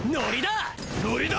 ノリだ！